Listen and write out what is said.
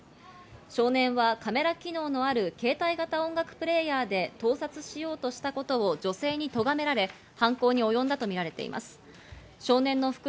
少年はカメラ機能がある携帯型音楽プレーヤーで盗撮しようとしたことを女性にとがめられ、お天気です。